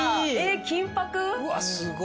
金箔？